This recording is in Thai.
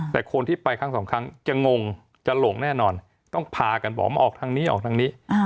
แต่คนที่ไปครั้งสองครั้งจะงงจะหลงแน่นอนต้องพากันบอกมาออกทางนี้ออกทางนี้